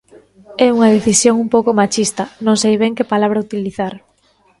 É unha decisión un pouco machista, non sei ben que palabra utilizar.